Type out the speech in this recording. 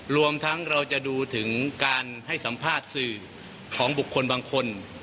รวมทั้งเราจะดูถึงการให้สัมภาษณ์สื่อของบุคคลบางคน